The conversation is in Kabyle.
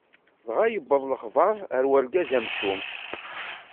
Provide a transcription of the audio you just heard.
Dɣa yewweḍ lexbar ɣer urgaz amcum.